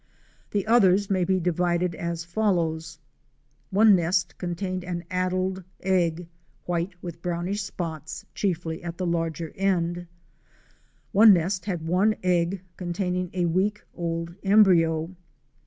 The others may be divided as follows: One nest contained an addled egg; white with brownish spots chiefly at the larger end. One nest had one egg containing a week old embryo.